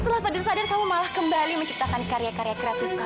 setelah kader sadar kamu malah kembali menciptakan karya karya kreatif kamu